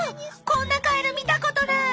こんなカエル見たことない！